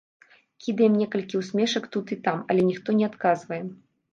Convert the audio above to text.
Кідаем некалькі ўсмешак тут і там, але ніхто не адказвае.